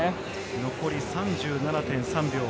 残り３７．３秒。